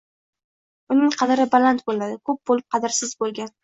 Uning qadri baland bo’ladi. Ko’p bo’lib qadrsiz bo’lgan